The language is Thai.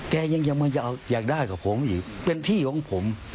ยังมันจะอยากได้กับผมอีกเป็นที่ของผม